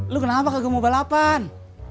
lu kenapa kagak mau balapan